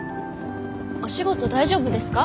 お仕事大丈夫ですか？